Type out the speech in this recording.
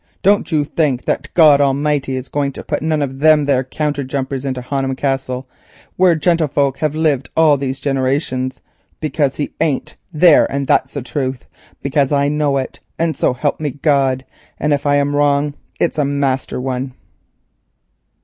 Don't you think that God Almighty is going to put none of them there counter jumpers into Honham Castle, where gentlefolk hev lived all these ginerations, because He ain't. There, and that's the truth, because I knaw it and so help me God—and if I'm wrong it's a master one."